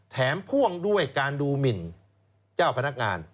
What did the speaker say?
พ่วงด้วยการดูหมินเจ้าพนักงาน